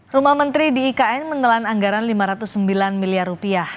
rumah menteri di ikn menelan anggaran lima ratus sembilan miliar rupiah